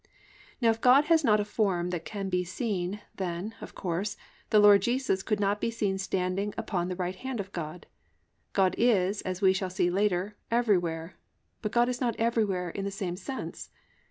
"+ Now if God has not a form that can be seen, then, of course, the Lord Jesus could not be seen standing upon the right hand of God. God is, as we shall see later, everywhere; but God is not everywhere in the same sense.